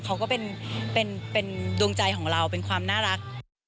เขาก็เป็นดวงใจของเราเป็นความน่ารัก